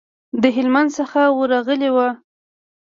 د هلمند څخه ورغلي وو.